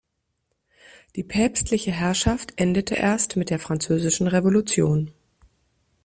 Die päpstliche Herrschaft endete erst mit der Französischen Revolution.